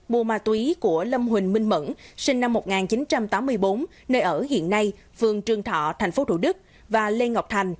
mua ma túy của lâm huỳnh minh mẫn sinh năm một nghìn chín trăm tám mươi bốn nơi ở hiện nay phường trương thọ tp thủ đức và lê ngọc thành